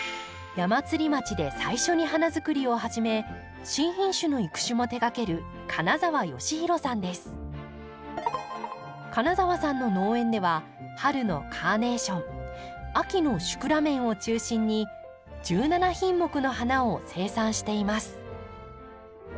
矢祭町で最初に花づくりを始め新品種の育種も手がける金澤さんの農園では春のカーネーション秋のシクラメンを中心に１７品目の花を生産しています。